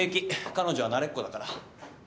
彼女は慣れっこだから。